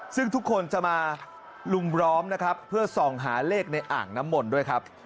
ซึ่งทุกคนจะมาลุมล้อมนะครับเพื่อส่องหาเลขในอ่างน้ำมนต์ด้วยครับ